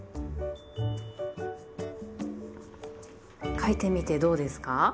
書いてみてどうですか？